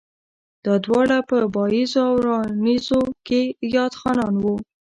دا دواړه پۀ بائيزو او راڼېزو کښې ياد خانان وو